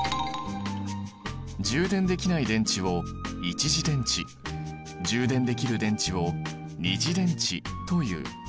充電できない電池を一次電池充電できる電池を二次電池という。